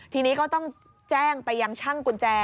ทีนี้ก็ต้องแจ้งไปยังช่างกุญแจ